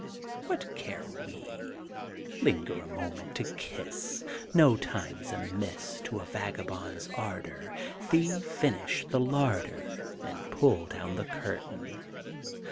What care we? Linger A moment to kiss No time's amiss To a vagabond's ardor Thee finish the larder And pull down the curtain.